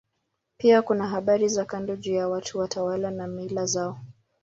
Pia kuna habari za kando juu ya watu, watawala na mila zao.